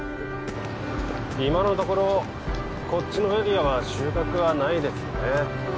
今のところこっちのエリアは収穫はないですね